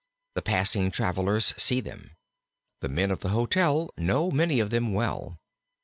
The passing travellers see them. The men of the hotel know many of them well.